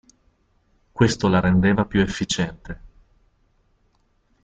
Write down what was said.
Questo la rendeva più efficiente.